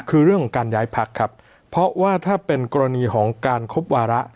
คือเรื่องของการย้ายพักครับเพราะว่าถ้าเป็นกรณีของการครบวาระ